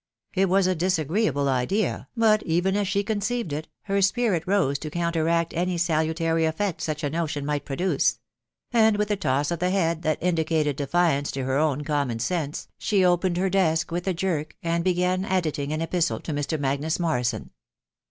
It was a disagree able idea ; but even as she conceived it her spirit rose to coun teract any salutary effect such a notion might produce ; and with a toss of the head that indicated defiance to Tier own com mon sense, she opened her desk with a jerk, and began enditing an epistle to Mr. Magnus Morrison.